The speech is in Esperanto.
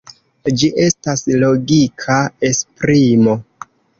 Ĝi estas logika esprimo.